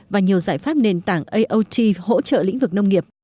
và nhiều giải pháp nền tảng iot hỗ trợ lĩnh vực nông nghiệp